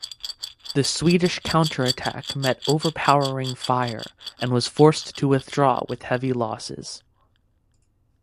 The Swedish counterattack met overpowering fire and was forced to withdraw with heavy losses.